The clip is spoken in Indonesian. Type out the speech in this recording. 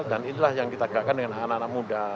dan inilah yang kita gerakan dengan anak anak muda